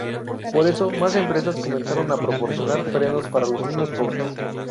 Por eso, más empresas comenzaron a proporcionar frenos para los niños pobres.